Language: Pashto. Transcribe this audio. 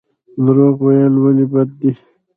درواغ ویل ولې بد دي؟